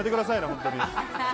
本当に。